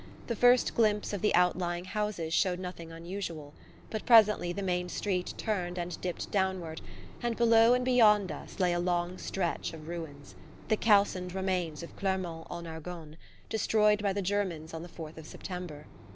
The first glimpse of the outlying houses showed nothing unusual; but presently the main street turned and dipped downward, and below and beyond us lay a long stretch of ruins: the calcined remains of Clermont en Argonne, destroyed by the Germans on the 4th of September.